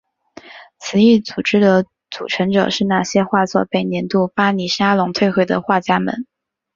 此一组织的组成者是那些画作被年度巴黎沙龙退回的画家们。